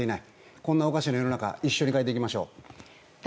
こんなおかしな世の中一緒に変えていきましょう。